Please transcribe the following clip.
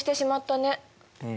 うん。